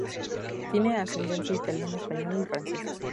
Tiene ascendencia italiana, española y francesa.